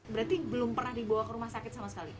berarti belum pernah dibawa ke rumah sakit sama sekali